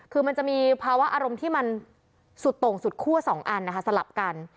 คือมันจะมีภาวะอารมณ์ที่มันสุดโต่งสุดคั่ว๒อันนะคะสลับกัน